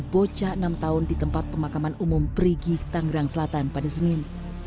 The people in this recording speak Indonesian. bocah enam tahun di tempat pemakaman umum perigi tanggerang selatan pada senin